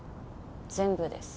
全部です。